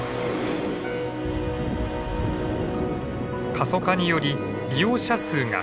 過疎化により利用者数が減少。